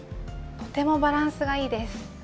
とてもバランスがいいです。